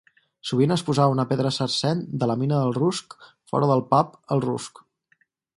Sovint es posava una pedra sarsen de la mina del rusc fora del pub El rusc.